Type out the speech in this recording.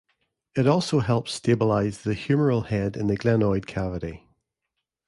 It also helps stabilise the humeral head in the glenoid cavity.